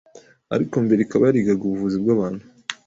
ariko mbere akaba yarigaga ubuvuzi bw'abantu